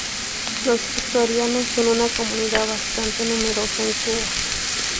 Los asturianos son una comunidad bastante numerosa en Cuba.